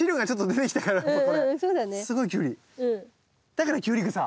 だからキュウリグサ。